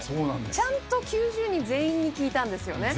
ちゃんと９０人全員に聞いたんですよね？